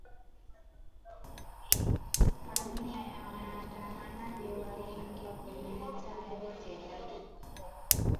Mamia ya waandamanaji waliingia kwenye mitaa yote ya Khartoum